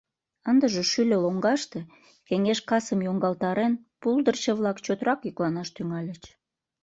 Ындыже шӱльӧ лоҥгаште, кеҥеж касым йоҥгалтарен, пулдырчо-влак чотрак йӱкланаш тӱҥальыч.